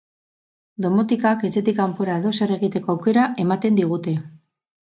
Domotikak etxetik kanpora edozer egiteko aukera ematen digute.